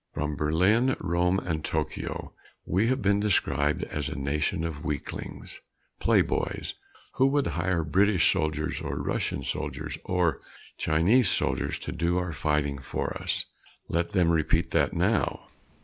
From Berlin, Rome and Tokyo we have been described as a nation of weaklings "playboys" who would hire British soldiers, or Russian soldiers, or Chinese soldiers to do our fighting for us. Let them repeat that now!